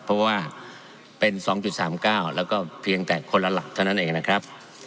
เพราะว่าเป็น๒๓๙แล้วก็เพียงแต่คนละหลักเท่านั้นเองนะครับ